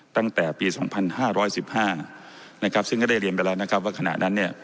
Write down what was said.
ตั้งแต่ปี๒๕๑๕นะครับซึ่งก็ได้เรียนไปแล้วนะครับว่าขณะนั้นเนี่ย